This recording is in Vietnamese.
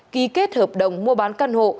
ký kết hợp đồng mua bán căn hộ